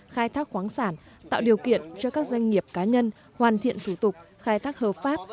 khai thác khoáng sản tạo điều kiện cho các doanh nghiệp cá nhân hoàn thiện thủ tục khai thác hợp pháp